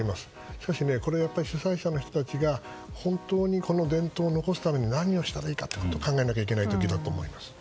しかし、主催者の人たちは本当にこの伝統を残すために何をしたらいいか考えなきゃいけない時だと思います。